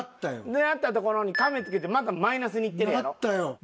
でなったところに亀つけてまたマイナスにいってるやろ。